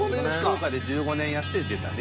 福岡で１５年やって出たね。